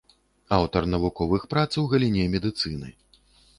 Аўтар навуковых прац у галіне медыцыны.